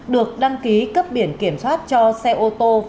được đăng ký cấp biển kiểm soát cho xe ô tô